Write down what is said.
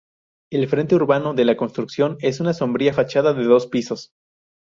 El frente urbano de la construcción es una sombría fachada de dos pisos.